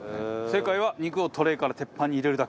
正解は肉をトレイから鉄板に入れるだけ。